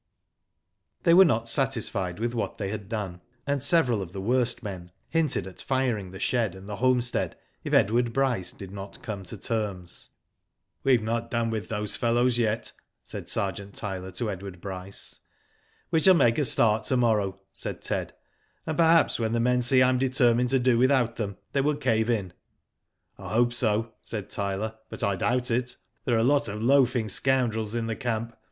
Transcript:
They were not satisfied with what they had done, and several of the worst men hinted at firing the shed and the homestead if Edward Bryce did not come to terms. We've not done with those fellows yet," said Sergeant Tyler to Edward Bryce. *' We shall make a start to morrow," said Ted, ''and perhaps when the men see I am determined to do without them, they will cave in." " I hope so," said Tyler, *' but I doubt it. There are a lot of loafing scoundrels in the camp.